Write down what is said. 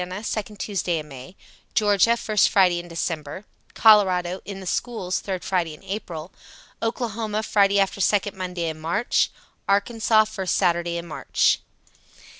second Tuesday in May; Ga., first Friday in December; Col. (in the schools), third Friday in Apr.; Okla., Friday after second Monday in March; Ark., first Saturday in March.